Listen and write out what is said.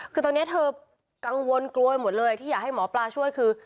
คือตอนนี้เธอกังวลกลัวไปหมดเลยที่อยากให้หมอปลาช่วยคือ